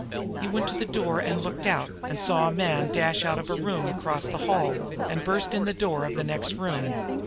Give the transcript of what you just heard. He went to the door and looked out, and saw a man dash out of a room across the hall, and burst in the door of the next room.